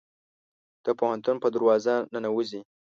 د پوهنتون په دروازه ننوزي